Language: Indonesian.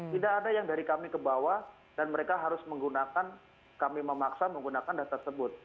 tidak ada yang dari kami ke bawah dan mereka harus menggunakan kami memaksa menggunakan data tersebut